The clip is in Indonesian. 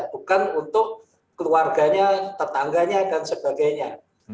bukan untuk keluarganya tetangganya dan sebagainya